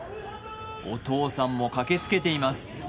お父さんも駆けつけています。